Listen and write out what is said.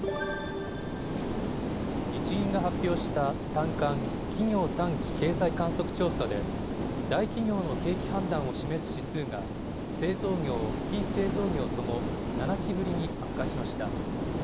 日銀が発表した短観・企業短期経済観測調査で、大企業の景気判断を示す指数が、製造業・非製造業とも７期ぶりに悪化しました。